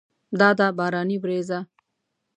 دا ده باراني ورېځه!